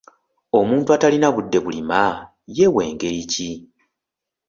Omuntu atalina budde bulima ye w'engeri ki?